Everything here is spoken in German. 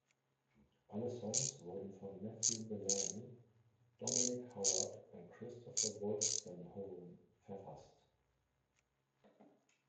Alle Songs wurden von Matthew Bellamy, Dominic Howard und Christopher Wolstenholme verfasst.